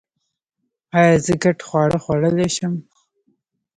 ایا زه ګډ خواړه خوړلی شم؟